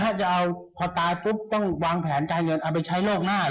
คือจะพอตายปุ๊บต้องวางแผนกายเงินเอาไปใช้โรคหน้าเหรอ